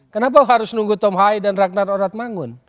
kenapa harus nunggu tom hai dan ragnar orhatmangun